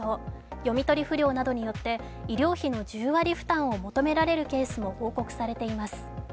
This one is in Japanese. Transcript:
読み取り不良などによって医療費の１０割負担を求められるケースも報告されています。